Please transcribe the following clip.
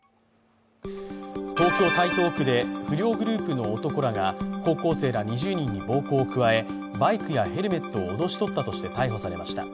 東京・台東区で不良グループの男らが高校生ら２０人に暴行を加え、バイクやヘルメットを脅し取ったとして逮捕されました。